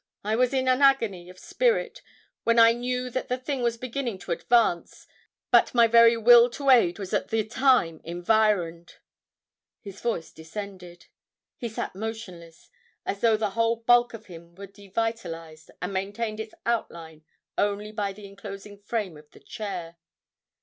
I was in an agony of spirit when I knew that the thing was beginning to advance, but my very will to aid was at the time environed." His voice descended. He sat motionless, as though the whole bulk of him were devitalized, and maintained its outline only by the inclosing frame of the chair.